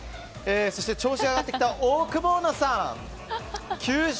そして調子が上がってきたオオクボーノさん、９勝。